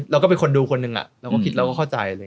เราก็เป็นคนดูคนหนึ่งเราก็ผิดเราก็เข้าใจ